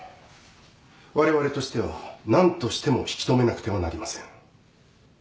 われわれとしては何としても引き止めなくてはなりません。